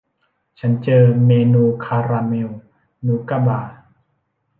ฉันเจอเมนูคาราเมลนูก้าบาร์